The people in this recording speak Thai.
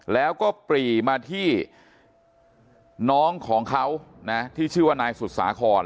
แล้วก็ปรีมาที่น้องของเขานะที่ชื่อว่านายสุสาคร